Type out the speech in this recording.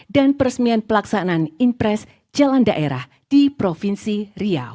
dan peresmian pelaksanaan inpres jalan daerah di provinsi riau